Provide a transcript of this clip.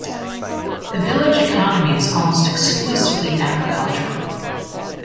The village economy is almost exclusively agricultural.